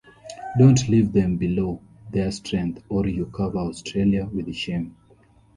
Don't leave them below their strength or you cover Australia with shame.